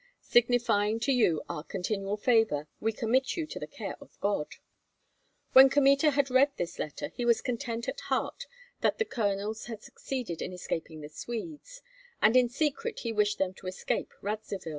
Signifying to you our continual favor, we commit you to the care of God." When Kmita had read this letter, he was content at heart that the colonels had succeeded in escaping the Swedes, and in secret he wished them to escape Radzivill.